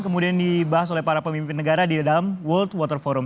kemudian dibahas oleh para pemimpin negara di dalam world water forum